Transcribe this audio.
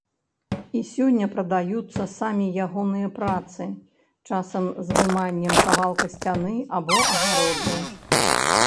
І сёння прадаюцца самі ягоныя працы, часам з выманнем кавалка сцяны або агароджы.